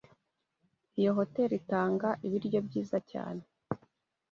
Iyo hoteri itanga ibiryo byiza cyane.